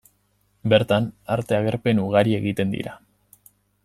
Bertan arte agerpen ugari egiten dira.